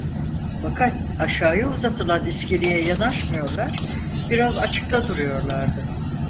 Fakat aşağıya uzatılan iskeleye yanaşmıyorlar, biraz açıkta duruyorlardı.